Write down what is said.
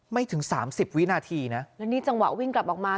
ถึงสามสิบวินาทีนะแล้วนี่จังหวะวิ่งกลับออกมา